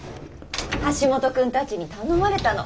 橋本君たちに頼まれたの。